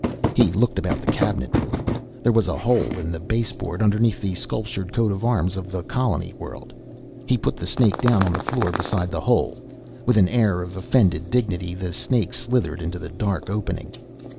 He looked about the cabinet room. There was a hole in the baseboard underneath the sculptured coat of arms of the colony world. He put the snake down on the floor beside the hole. With an air of offended dignity, the snake slithered into the dark opening.